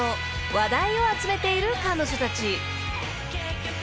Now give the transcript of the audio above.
［話題を集めている彼女たち］